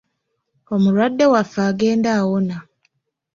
Omulwadde waffe agenda awona.